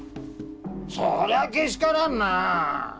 そりゃけしからんなあ。